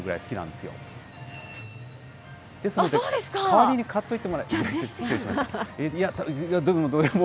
ですので代わりに買っといてもらっても。